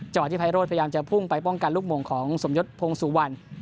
ที่ไพโรธพยายามจะพุ่งไปป้องกันลูกโมงของสมยศพงสุวรรณ